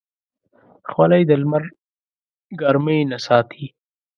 خولۍ د لمر ګرمۍ نه ساتي.